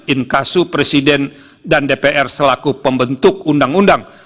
inkasu presiden dan dpr selaku pembentuk undang undang